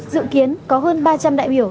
dự kiến có hơn ba trăm linh đại biểu